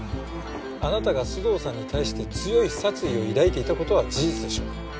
あなたが須藤さんに対して強い殺意を抱いていた事は事実でしょう。